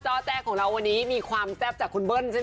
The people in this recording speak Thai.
แจ้ของเราวันนี้มีความแซ่บจากคุณเบิ้ลใช่ไหม